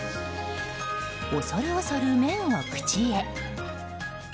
恐る恐る、麺を口へ。